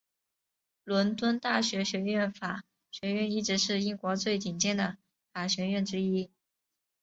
伦敦大学学院法学院一直是英国最顶尖的法学院之一。